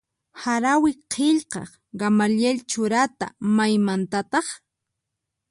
Harawi qillqaq Gamaliel Churata maymantataq?